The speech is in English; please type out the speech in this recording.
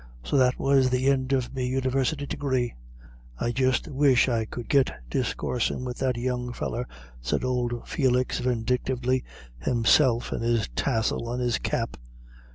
So that was the ind of me University Degree." "I just wish I could git discoorsin' wid that young feller," said old Felix, vindictively, "himself and his tassel in his cap."